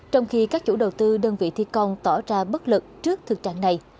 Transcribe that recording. trong khi các chủ đầu tư đơn vị thiết con tỏ ra bất lực trước thực trạng này